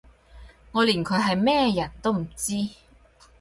我連佢係咩人都唔知